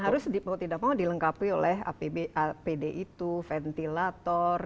harus mau tidak mau dilengkapi oleh apd itu ventilator